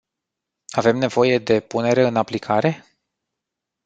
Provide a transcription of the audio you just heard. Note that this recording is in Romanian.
Avem nevoie de punere în aplicare?